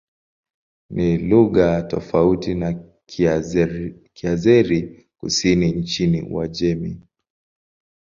Ni lugha tofauti na Kiazeri-Kusini nchini Uajemi.